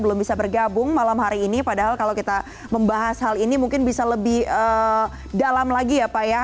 belum bisa bergabung malam hari ini padahal kalau kita membahas hal ini mungkin bisa lebih dalam lagi ya pak ya